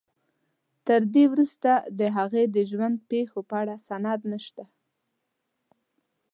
تر دې وروسته د هغې د ژوند پېښو په اړه سند نشته.